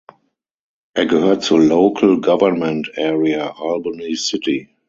Er gehört zur Local Government Area Albany City.